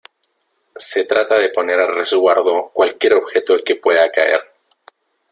se trata de poner a resguardo cualquier objeto que pueda caer.